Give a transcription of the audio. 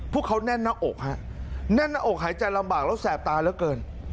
พวกเขาแน่นหน้าอกฮะแน่นหน้าอกหายใจลำบากแล้วแสบตาเหลือเกิน